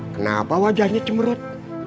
kenapa wajahnya cemerut